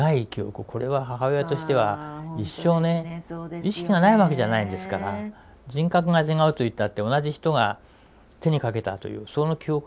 これは母親としては一生ね意識がないわけじゃないんですから人格が違うといったって同じ人が手に掛けたというその記憶は残ってるわけですから。